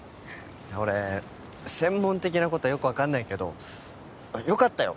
俺専門的なことはよく分かんないけどよかったよ